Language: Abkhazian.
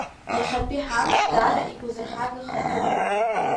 Иахьатәи ҳамш даара игәазырҳагаха иҟоуп!